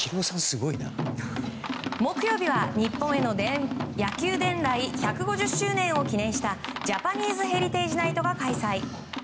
木曜日は日本への野球伝来１５０周年を記念したジャパニーズ・ヘリテージ・ナイトが開催。